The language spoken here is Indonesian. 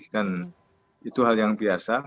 dan itu hal yang biasa